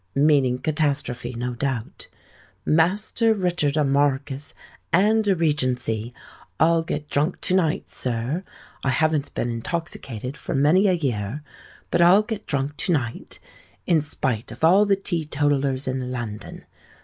_'—(meaning 'catastrophe,' no doubt):—'_Master Richard a Markis, and a Regency! I'll get drunk to night, sir: I haven't been intoxicated for many a year; but I'll get drunk to night, in spite of all the Teetotalers in London!